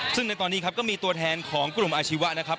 ซึ่งในตอนนี้ครับก็มีตัวแทนของกลุ่มอาชีวะนะครับ